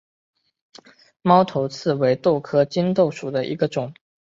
猫头刺为豆科棘豆属下的一个种。